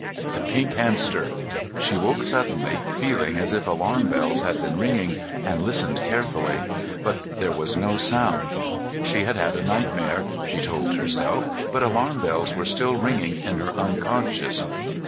The pink hamster! She woke suddenly, feeling as if alarm bells had been ringing, and listened carefully, but there was no sound. She had had a nightmare, she told herself, but alarm bells were still ringing in her unconscious.